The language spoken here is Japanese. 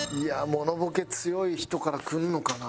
モノボケ強い人から来るのかな？